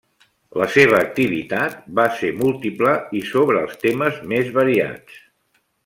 La seva activitat fa ser múltiple i sobre els temes més variats.